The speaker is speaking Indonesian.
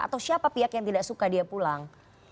atau siapa pihak yang tidak suka dia pulang